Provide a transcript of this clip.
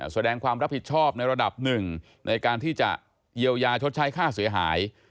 แสดงความรับผิดชอบในระดับหนึ่งในการที่จะเยียวยาชดใช้ค่าเสียหาย